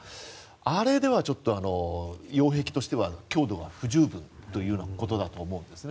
あれではちょっと擁壁としては強度は不十分ということだと思うんですね。